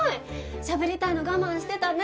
しゃべりたいの我慢してたね。